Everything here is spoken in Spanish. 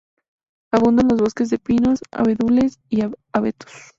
Abundan los bosques de pinos, abedules y abetos.